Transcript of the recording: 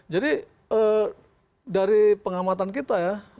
jadi dari pengamatan kita ya